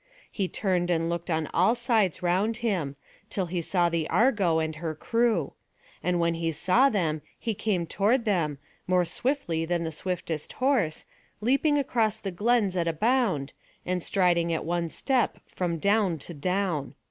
He turned and looked on all sides round him, till he saw the Argo and her crew; and when he saw them he came toward them, more swiftly than the swiftest horse, leaping across the glens at a bound, and striding at one step from down to down.